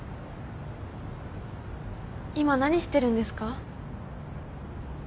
今何してるんですか？